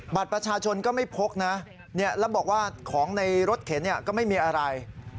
บัตรประชาชนก็ไม่พกนะแล้วบอกว่าของในรถเข็นก็ไม่มีอะไร